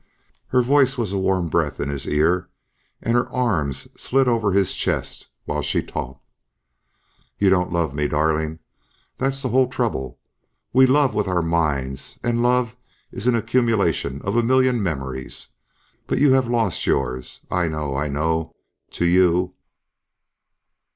Her voice was a warm breath in his ear and her arms slid over his chest while she talked. "You don't love me, darling. That's the whole trouble. We love with our minds, and love is an accumulation of a million memories but you have lost yours. I know, I know. To you..."